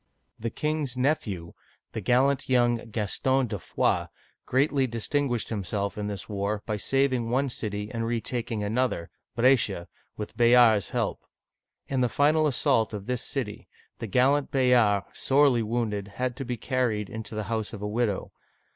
The king's nephew, the gallant young Gaston de Foix (gas t6N' de fwa'), greatly distinguished himself in this war by saving one city and retaking another (Brescia) with Bayard's help. In the final assault of this city, the gal lant Bayard, sorely wounded, had to be carried into the house of a widow.